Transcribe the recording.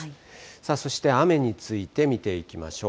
さあ、そして雨について見ていきましょう。